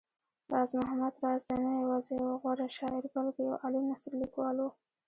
راز محمد راز دی نه يوازې يو غوره شاعر بلکې يو عالي نثرليکوال و